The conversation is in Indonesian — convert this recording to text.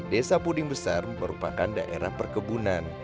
desa puding besar merupakan daerah perkebunan